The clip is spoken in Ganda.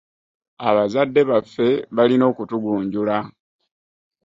Abazadde baffe balina okutugunjula.